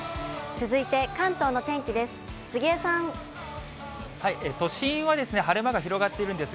続いて、関東の天気です。